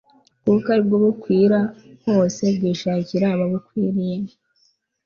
kuko ari bwo bukwira hose bwishakira ababukwiriye